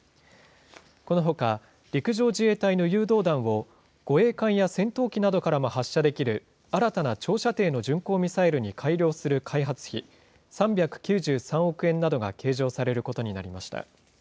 このほか陸上自衛隊の誘導弾を、護衛艦や戦闘機などからも発射できる、新たな長射程の巡航ミサイルに改良する開発費３９３億円などが計上されることになりました。